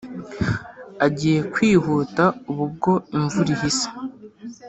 agiye kwihuta ubu ubwo imvura ihise.